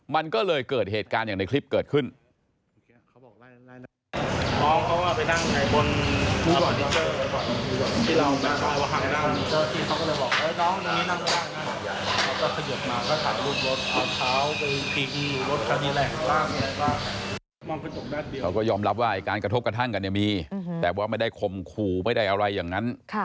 มันก็เลยเกิดเหตุการณ์อย่างในคลิปเกิดขึ้น